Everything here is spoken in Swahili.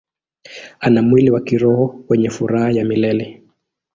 Ana mwili wa kiroho wenye furaha ya milele.